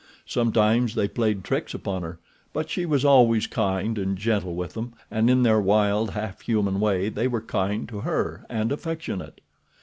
Sometimes they played tricks upon her; but she was always kind and gentle with them and in their wild, half human way they were kind to her and affectionate.